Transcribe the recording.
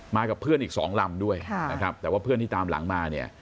มากับเพื่อนอีก๒ลำด้วยแต่ว่าเพื่อนที่ตามหลังมา